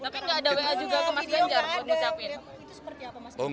tapi gak ada wa juga ke mas ganjar ngucapin